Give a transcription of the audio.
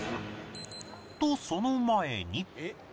とその前に